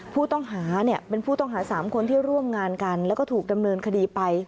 ผู้ต้องหาเนี่ยเป็นผู้ต้องหา๓คนที่ร่วมงานกันแล้วก็ถูกดำเนินคดีไป